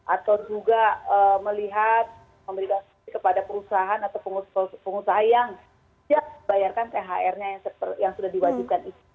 atau juga melihat memberikan subsidi kepada perusahaan atau pengusaha yang siap membayarkan thr nya yang sudah diwajibkan